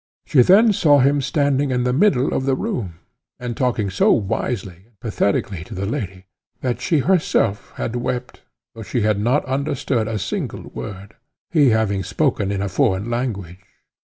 She then saw him standing in the middle of the room, and talking so wisely and pathetically to the lady, that she herself had wept, though she had not understood a single word, he having spoken in a foreign language.